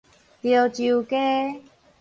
潮州街